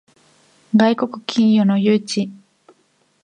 外国企業の誘致